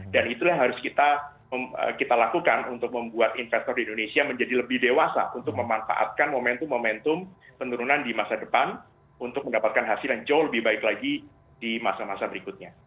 dan itulah yang harus kita lakukan untuk membuat investor di indonesia menjadi lebih dewasa untuk memanfaatkan momentum momentum penurunan di masa depan untuk mendapatkan hasil yang jauh lebih baik lagi di masa masa berikutnya